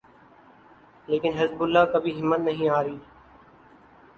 لیکن Hezbollah کبھی ہمت نہیں ہاری۔